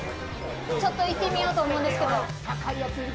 ちょっといってみようと思うんですけど。